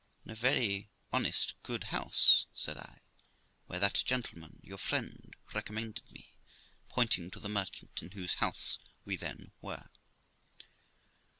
'In a very honest, good house', said I, 'where that gentleman, your friend, recommended me', pointing to the merchant in whose house we then were.